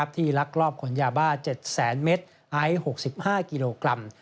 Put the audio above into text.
ลักลอบขนยาบ้า๗๐๐เมตรไอซ์๖๕กิโลกรัม